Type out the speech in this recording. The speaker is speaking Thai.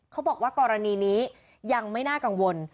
เขาบอกว่ากรณีนี้ยังไม่น่ากังวล